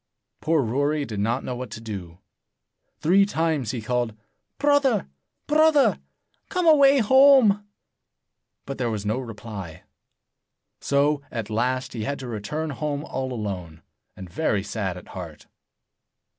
Poor Rory did not know what to do. Three times he called, "Brother! Brother! Come away home!" But there was no reply. So, at last, he had to return home all alone, and very sad at heart.